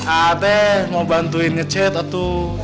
ata mau bantuin ngechat atuh